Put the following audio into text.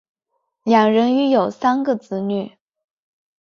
两人育有三个子女。